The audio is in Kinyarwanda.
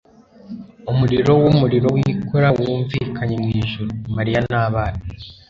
umuriro wumuriro wikora wumvikanye mwijuru. maria n'abana